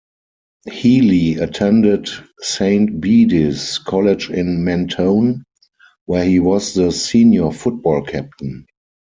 Healy attended Saint Bede's College in Mentone, where he was the senior football captain.